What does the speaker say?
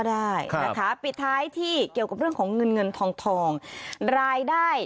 ได้นะคะปิดท้ายที่เกี่ยวกับเรื่องของเงินเงินทองทองรายได้